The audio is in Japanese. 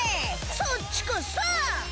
そっちこそー！